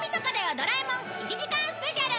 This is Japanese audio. ドラえもん１時間スペシャル！！』。